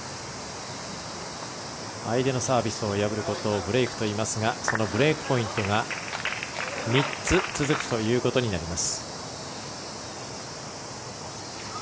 相手のサービスを破ることをブレークといいますがそのブレークポイントが３つ続くということになります。